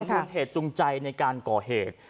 มูลเหตุจูงใจในการก่อเหตุ